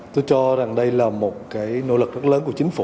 tôi cho rằng đây là một cái nỗ lực rất lớn của chính phủ